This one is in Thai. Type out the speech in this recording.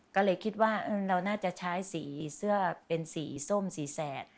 ก็เลยคิดว่าเราน่าจะใช้สีเสื้อเป็นสีส้มสีแสด